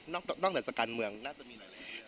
นอกจากการเมืองน่าจะมีหลายเรื่องค่ะ